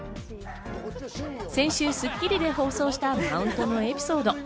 先週『スッキリ』で放送したマウントのエピソード。